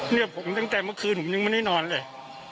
เนี่ยผมตั้งแต่เมื่อคืนผมยังไม่ได้นอนเลย